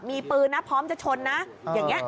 มีปืนนะพร้อมจะชนนะอย่างนี้